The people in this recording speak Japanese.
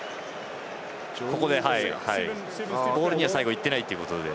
ボールには最後行ってないということで。